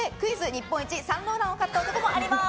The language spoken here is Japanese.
日本一イヴ・サンローランを買った男！もあります。